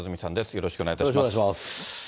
よろしくお願いします。